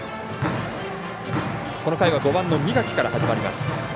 この回は５番の三垣から始まります。